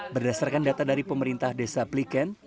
berdasarkan data dari pemerintah desa pliken